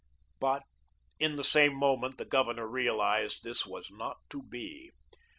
But in the same moment the Governor realised this was not to be.